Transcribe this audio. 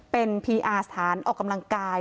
เป็นพีอาสถานออกกำลังกาย